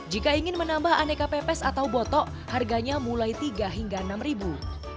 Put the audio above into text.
jika ingin menambah aneka pepes atau botok harganya mulai tiga hingga enam ribu